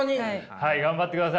はい頑張ってください。